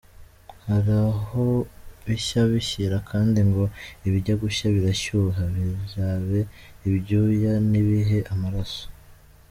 Hari aho bishya bishyira kandi ngo ibijya gushya birashyuha : birabe ibyuya ntibibe amaraso